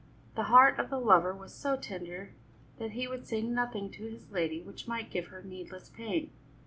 The heart of the lover was so tender that he would say nothing to his lady which might give her needless pain.